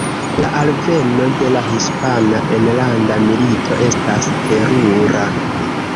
La alveno de la Hispana Enlanda Milito estas terura.